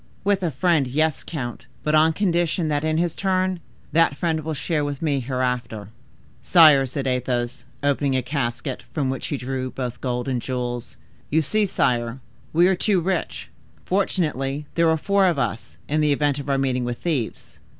"With a friend—yes, count, but on condition that, in his turn, that friend will share with me hereafter!" "Sire!" said Athos, opening a casket, form which he drew both gold and jewels, "you see, sire, we are too rich. Fortunately, there are four of us, in the event of our meeting with thieves."